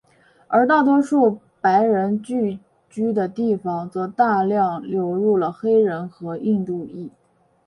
而大多数白人聚居的地方则大量流入了黑人和印度裔。